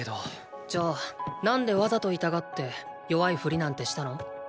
じゃあ何で“わざと”痛がって弱いフリなんてしたの？